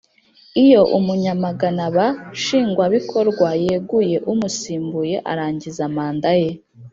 Iyo Umunyamaganaba Nshingwabikorwa yeguye umusimbuye arangiza manda ye.